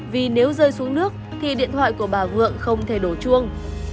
vì nếu rơi xuống nước thì điện thoại của bà vượng không thể đổ chuông